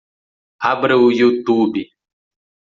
Abra o Youtube.